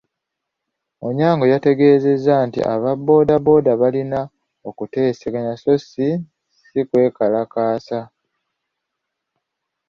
Onyango yategeezezza nti aba boda boda balina kuteeseganya so si sikwekalakaasa.